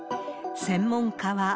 専門家は。